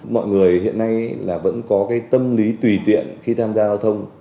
mọi người hiện nay là vẫn có cái tâm lý tùy tiện khi tham gia giao thông